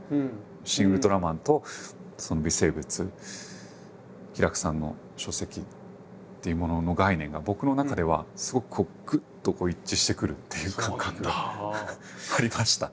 「シン・ウルトラマン」と微生物ヒラクさんの書籍っていうものの概念が僕の中ではすごくぐっと一致してくるっていう感覚がありました。